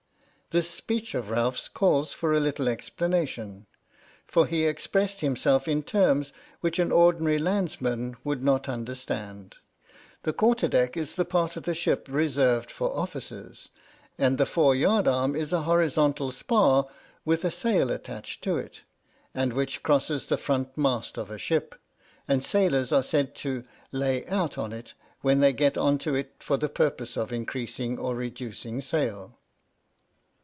This speech of Ralph's calls for a little explana tion, for he expressed himself in terms which an ordinary landsman would not understand. The quarter deck is the part of the ship reserved for officers, and the fore yard arm is a horizontal spar 20 H.M.S. "PINAFORE" with a sail attached to it, and which crosses the front mast of a ship, and sailors are said to " lay out" on it when they get on to it for the purpose of increasing or reducing sail.